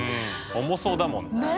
重そうだもんな。